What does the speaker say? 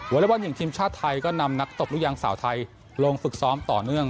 เล็กบอลหญิงทีมชาติไทยก็นำนักตบลูกยางสาวไทยลงฝึกซ้อมต่อเนื่อง